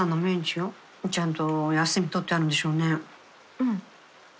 うん。